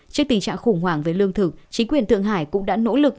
trước tình trạng khủng hoảng về lương thực chính quyền thượng hải cũng đã nỗ lực